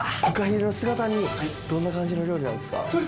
ふかひれの姿煮どんな感じの料理なんですか？